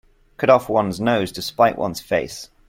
Cut off one's nose to spite one's face.